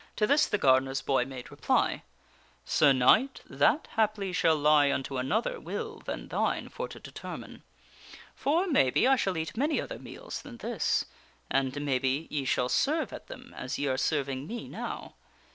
*' To this the gardener's boy made reply: " Sir Knight, that, haply, shall lie unto another will than thine for to determine. For maybe, I shall eat many other meals than this. And, maybe, ye shall serve at them as ye are serving me now."